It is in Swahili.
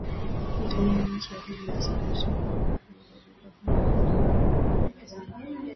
Uganda ni nchi ya pili kwa usafirishaji mkubwa zaidi wa bidhaa kwenda Kongo baada ya Rwanda